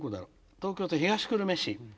東京都東久留米市。